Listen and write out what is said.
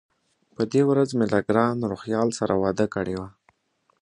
په دې ورځ مې له ګران روهیال سره وعده کړې وه.